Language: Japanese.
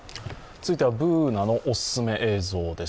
続いてはＢｏｏｎａのおすすめ映像です。